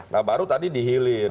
nah baru tadi dihilir